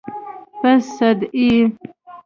_ په سد يې؟